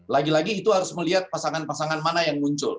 lagi lagi itu harus melihat pasangan pasangan mana yang muncul